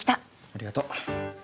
ありがとう。